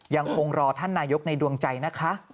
ยังคงรอท่านนายกในดวงใจนะคะ